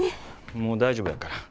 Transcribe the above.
もう大丈夫やから。